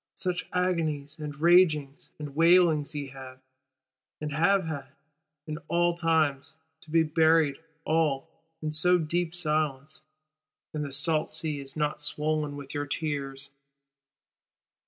Such agonies and ragings and wailings ye have, and have had, in all times:—to be buried all, in so deep silence; and the salt sea is not swoln with your tears.